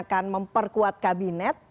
akan memperkuat kabinet